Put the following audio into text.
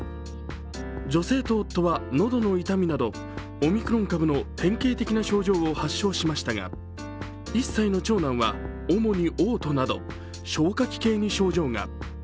女性と夫は、喉の痛みなどオミクロン株の典型的な症状を発症しましたが、１歳の長男は主におう吐など消化器系に症状が。